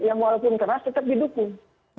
yang walaupun keras tetap didukung